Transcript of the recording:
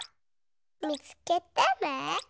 みつけてね。